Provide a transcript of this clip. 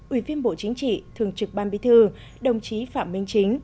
ủy viên bộ chính trị thường trực ban bí thư đồng chí phạm minh chính